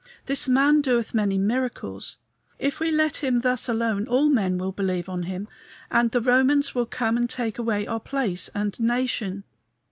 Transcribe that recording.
this man doeth many miracles. If we let him thus alone all men will believe on him, and the Romans will come and take away our place and nation."